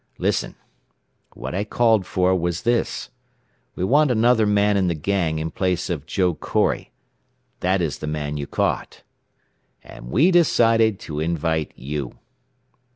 "Listen. What I called for was this: We want another man in the gang in place of Joe Corry that is the man you caught. "And we decided to invite you."